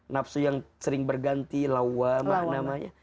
nafsu yang sering berganti lawamah namanya